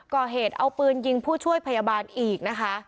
ก่อเหตุเอาปืนยิงผู้ช่วยพยาบาลอีกนะคะ